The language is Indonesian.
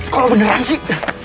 kalau beneran sih